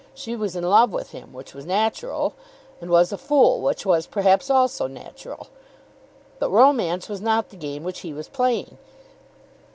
She was in love with him, which was natural; and was a fool, which was perhaps also natural. But romance was not the game which he was playing.